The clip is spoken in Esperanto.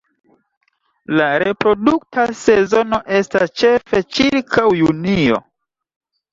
La reprodukta sezono estas ĉefe ĉirkaŭ junio.